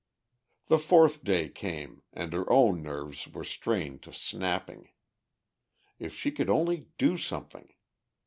The fourth day came, and her own nerves were strained to snapping. If she could only do something!